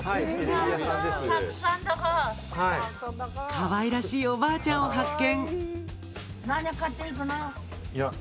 かわいらしいおばあちゃんを発見。